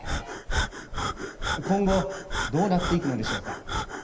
今後どうなっていくのでしょうか。